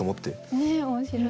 ねっ面白い。